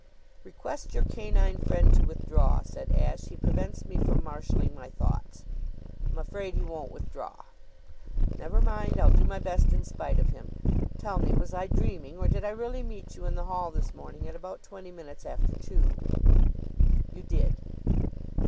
"Request your canine friend to withdraw," said Ashe. "He prevents me from marshaling my thoughts." "I'm afraid he won't withdraw." "Never mind. I'll do my best in spite of him. Tell me, was I dreaming or did I really meet you in the hall this morning at about twenty minutes after two?" "You did."